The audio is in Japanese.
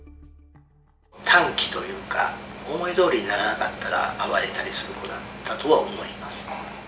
短気というか、思いどおりにならなかったら暴れたりする子だったとは思います。